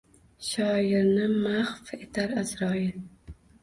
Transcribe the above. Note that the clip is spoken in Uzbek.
Shoirni mahv etar Аzroil